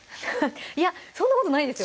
いやそんなことないですよ